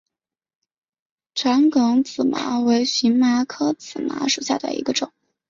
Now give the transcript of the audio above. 长梗紫麻为荨麻科紫麻属下的一个种。